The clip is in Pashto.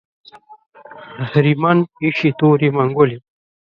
اهریمن ایښې تورې منګولې